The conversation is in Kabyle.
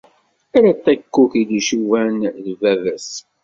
Ala ṭikkuk i d-icebbun deg baba-s.